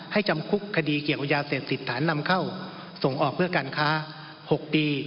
ให้จำคุกคดีเกี่ยวยาเสร็จสิทธารนำเข้าส่งออกเพื่อการค้า๖ปี